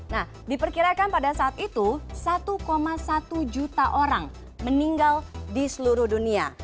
nah diperkirakan pada saat itu satu satu juta orang meninggal di seluruh dunia